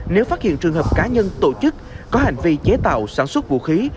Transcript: nếu phát hiện trường hợp cá nhân tổ chức có hành vi chế tạo sản xuất vũ khí